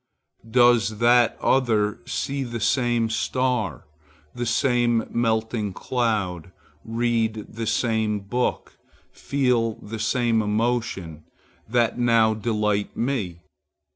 Does that other see the same star, the same melting cloud, read the same book, feel the same emotion, that now delight me?